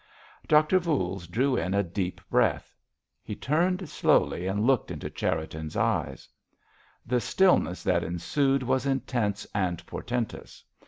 Doctor Voules drew in a deep breath. He turned slowly and looked into Cherriton's eyes. The stillness that ensued was intense and portentous.